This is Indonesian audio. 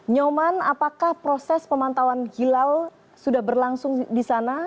nyoman apakah proses pemantauan hilal sudah berlangsung di sana